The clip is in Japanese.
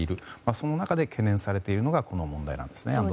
その中で懸念されているのがこの問題なんですね。